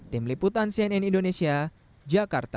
tim liputan cnn indonesia jakarta